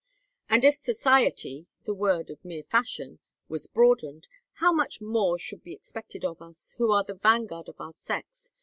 And if society the world of mere fashion has broadened, how much more should be expected of us, who are the vanguard of our sex?